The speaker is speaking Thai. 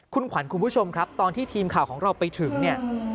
คุณขวัญคุณผู้ชมครับตอนที่ทีมข่าวของเราไปถึงเนี่ย